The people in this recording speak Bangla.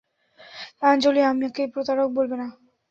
আঞ্জলি আমাকে প্রতারক বলবে না।